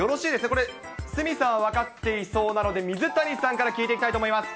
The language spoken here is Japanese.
これ鷲見さんは分かっていそうなので、水谷さんから聞いていきたいと思います。